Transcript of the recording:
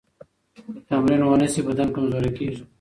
که تمرین ونه شي، بدن کمزوری کېږي.